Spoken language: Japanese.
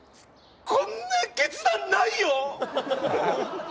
こんな決断ないよ！